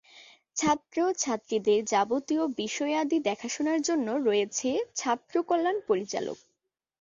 ছাত্র-ছাত্রীদের যাবতীয় বিষয়াদি দেখাশোনার জন্যে রয়েছে ছাত্র কল্যাণ পরিচালক।